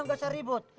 nggak usah ribut